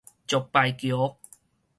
石牌橋